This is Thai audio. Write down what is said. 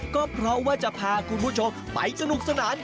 ก็เพราะว่าจะพาคุณผู้ชมไปสนุกสนาน